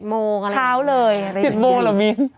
๗โมแหลมี้น